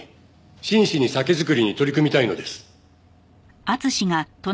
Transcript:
真摯に酒造りに取り組みたいのです。